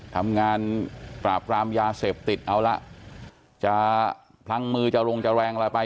ทำงานปราบกรามยาเสพติดเอาละจะพลั้งมือจะลงจะแรงอะไรไป